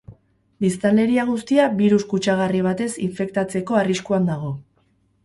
Biztanleria guztia birus kutsagarri batez infektatzeko arriskuan dago.